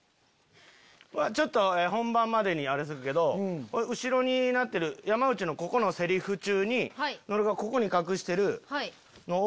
ちょっと本番までにあれするけど山内のここのセリフ中に野呂がここに隠してるのを。